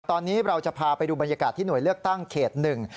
ตอนนี้เราจะพาไปดูบรรยากาศที่หน่วยเลือกตั้งเขตหนึ่ง